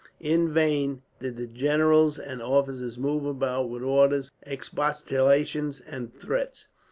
In vain did the generals and officers move about with orders, expostulations, and threats.